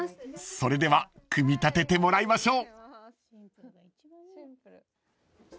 ［それでは組み立ててもらいましょう］